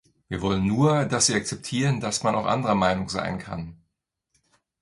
Wir wollen nur, dass sie akzeptieren, dass man auch anderer Meinung sein kann.